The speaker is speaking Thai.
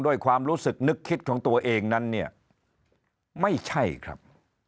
ด้วยความรู้สึกนึกคิดของตัวเองนั้นเนี่ยไม่ใช่ครับ